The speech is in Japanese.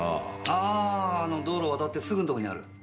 あああの道路を渡ってすぐの所にある？